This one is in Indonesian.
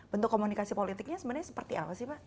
bentuk komunikasi politiknya sebenarnya seperti apa sih pak